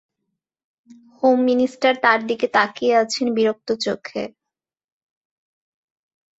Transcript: Home minister তাঁর দিকে তাকিয়ে আছেন বিরক্ত চোখে।